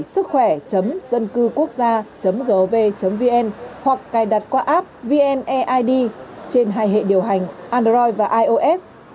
sứckhoẻ dâncưquốcgia gov vn hoặc cài đặt qua app vneid trên hai hệ điều hành android và ios